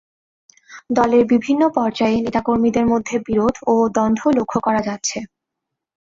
দলের বিভিন্ন পর্যায়ে নেতা কর্মীদের মধ্যে বিরোধ ও দ্বন্দ্ব লক্ষ করা যাচ্ছে।